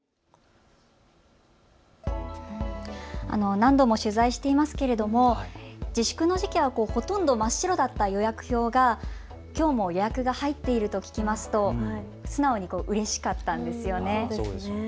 何度も取材していますけれども自粛の時期はほとんど真っ白だった予約表がきょうも予約が入っていると聞きますと素直にうれしかったんですよね。